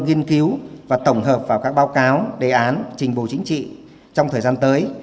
nghiên cứu và tổng hợp vào các báo cáo đề án trình bộ chính trị trong thời gian tới